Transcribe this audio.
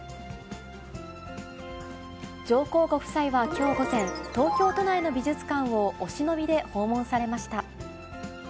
上皇ご夫妻はきょう午前、東京都内の美術館をお忍びで訪問されました。